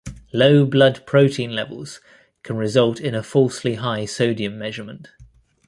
Low blood protein levels can result in a falsely high sodium measurement.